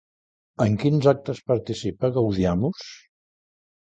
En quins actes participa Gaudiamus?